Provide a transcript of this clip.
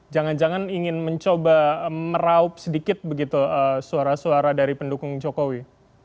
jangan jangan ingin mencoba meraup sedikit begitu suara suara dari pendukung jokowi